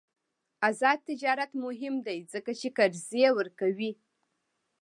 آزاد تجارت مهم دی ځکه چې قرضې ورکوي.